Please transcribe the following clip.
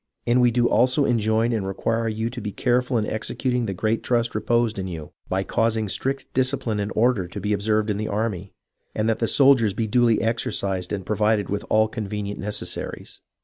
And we do also enjoin and require you to be careful in executing the great trust reposed in you, by causing strict discipUne and order to be observed in the army, and that the soldiers be duly exercised and provided with all conven 50 HISTORY OF THE AMERICAN REVOLUTION ient necessaries.